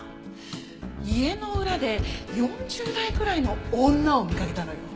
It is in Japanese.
家の裏で４０代くらいの女を見かけたのよ。